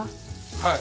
はい。